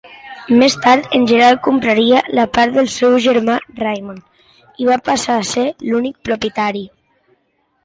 Més tard, en Gerald compraria la part del seu germà Raymond i va passar a ser l"únic propietari.